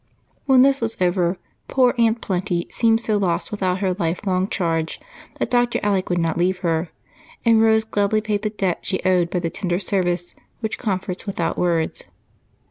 When this was over poor Aunt Plenty seemed so lost without her lifelong charge that Dr. Alec would not leave her, and Rose gladly paid the debt she owed by the tender service which comforts without words.